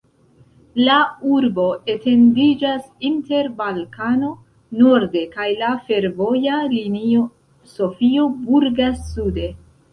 La urbo etendiĝas inter Balkano norde kaj la fervoja linio Sofio-Burgas sude.